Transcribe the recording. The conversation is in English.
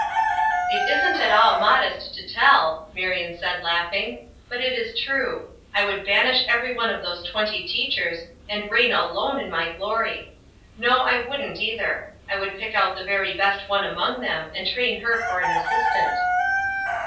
"It isn't at all modest to tell," Marion said, laughing, "but it is true. I would banish every one of those twenty teachers, and reign alone in my glory. No I wouldn't either. I would pick out the very best one among them, and train her for an assistant."